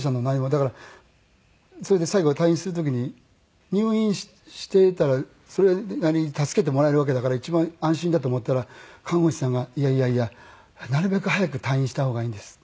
だからそれで最後は退院する時に入院してたらそれなりに助けてもらえるわけだから一番安心だと思ったら看護師さんが「いやいやいやなるべく早く退院した方がいいんです」。